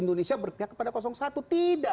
dua punya potensi keturangan juga